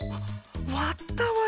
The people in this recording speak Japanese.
わったわよ